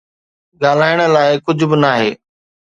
ڳالهائڻ لاءِ ڪجهه به ناهي